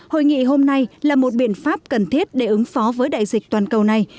hội nghị hôm nay là một biện pháp cần thiết để ứng phó với đại dịch toàn cầu này